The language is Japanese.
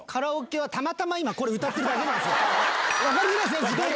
分かりづらいっすね。